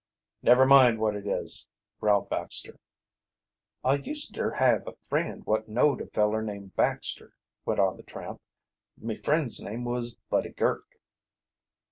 "Never mind what it is," growled Baxter. "I used ter have a friend wot knowed a feller named Baxter," went on the tramp. "Me friend's name was Buddy Girk."